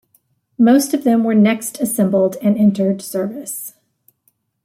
Most of them were next assembled and entered service.